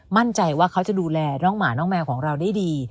มั่นใจว่าเขาจะดูแลน้องหมาน้องแมวของเราได้ดี